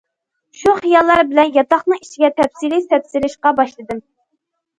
شۇ خىياللار بىلەن ياتاقنىڭ ئىچىگە تەپسىلىي سەپسېلىشقا باشلىدىم.